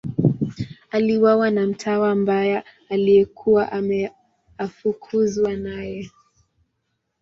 Aliuawa na mtawa mbaya aliyekuwa ameafukuzwa naye.